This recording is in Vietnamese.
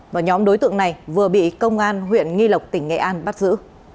và nhóm đối tượng này vừa bị công an huyện nghi lộc tỉnh nghệ an bắt giữ